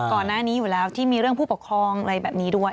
ก่อนหน้านี้อยู่แล้วที่มีเรื่องผู้ปกครองอะไรแบบนี้ด้วย